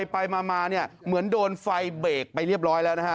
ไปมาเนี่ยเหมือนโดนไฟเบรกไปเรียบร้อยแล้วนะฮะ